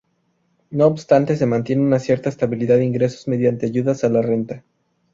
No obstante se mantiene una cierta estabilidad de ingresos mediante ayudas a la renta.